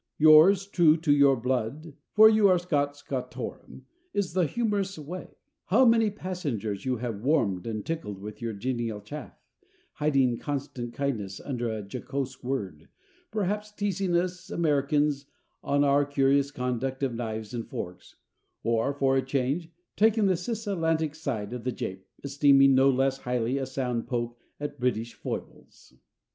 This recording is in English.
Yours, true to your blood (for you are Scot Scotorum), is the humorist's way: how many passengers you have warmed and tickled with your genial chaff, hiding constant kindness under a jocose word, perhaps teasing us Americans on our curious conduct of knives and forks, or (for a change) taking the cisatlantic side of the jape, esteeming no less highly a sound poke at British foibles.